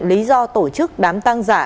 lý do tổ chức đám tang giả